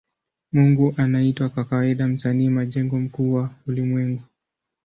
Mungu anaitwa kwa kawaida Msanii majengo mkuu wa ulimwengu.